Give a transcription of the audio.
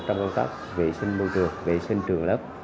trong công tác vệ sinh môi trường vệ sinh trường lớp